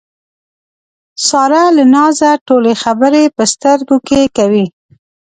ساره له نازه ټولې خبرې په سترګو کې کوي.